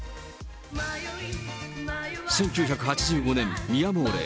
１９８５年、ミ・アモーレ。